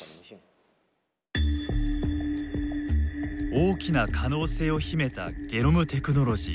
大きな可能性を秘めたゲノムテクノロジー。